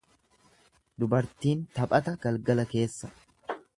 Dubartiin taphata galgala keessa.